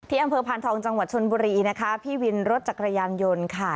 อำเภอพานทองจังหวัดชนบุรีนะคะพี่วินรถจักรยานยนต์ค่ะ